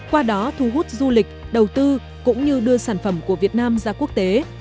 qua đó thu hút du lịch đầu tư cũng như đưa sản phẩm của việt nam ra quốc tế